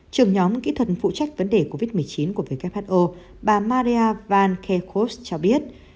trưởng nhóm kỹ thuật phụ trách vấn đề covid một mươi chín của who bà maria van kekos cho biết